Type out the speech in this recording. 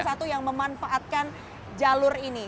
satu yang memanfaatkan jalur ini